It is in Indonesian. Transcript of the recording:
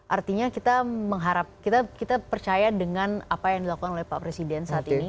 artinya kita mengharap kita percaya dengan apa yang dilakukan oleh pak presiden saat ini